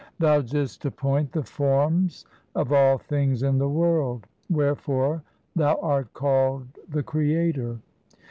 Thou didst appoint the forms of all things in the world ; Wherefore Thou art called the Creator.